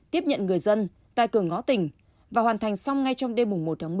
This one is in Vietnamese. tiếp nhận người dân tại cửa ngõ tỉnh và hoàn thành xong ngay trong đêm một một mươi